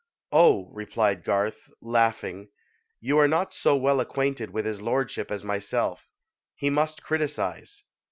"Oh," replied Garth, laughing, "you are not so well acquainted with his lordship as myself; he must criticize.